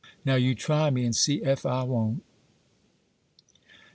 Now you try me and see ef I won't!